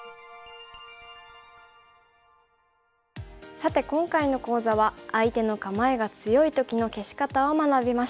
さて今回の講座は相手の構えが強い時の消し方を学びました。